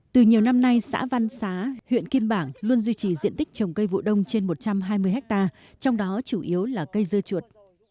từ nhiều năm nay xã văn xá huyện kim bảng luôn duy trì diện tích trồng cây vụ đông trên một trăm hai mươi ha trong đó chủ yếu là cây dưa chuột